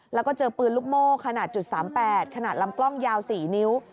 แล้วก็เจอปืนลูกโม่ขนาด๓๘ขนาดลำกล้องยาว๔นิ้ว